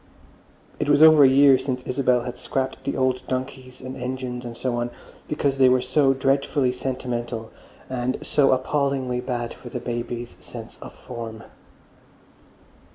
It was over a year since Isabel had scrapped the old donkeys and engines and so on because they were so "dreadfully sentimental" and "so appallingly bad for the babies' sense of form."